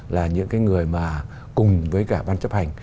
là những cái người mà cùng với cả văn chấp hành